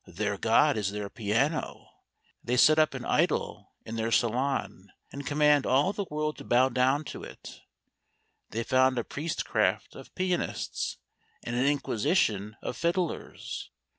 their god is their piano. They set up an idol in their salon, and command all the world to bow down to it. They found a priestcraft of pianists, and an Inquisition of fiddlers.